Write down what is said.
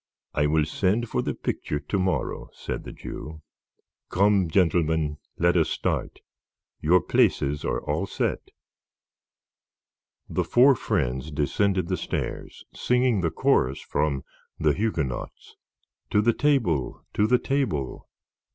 "I will send for the picture to morrow," said the Jew. "Come, gentlemen, let us start. Your places are all set." The four friends descended the stairs, singing the chorus from "The Huguenots," "to the table, to the table."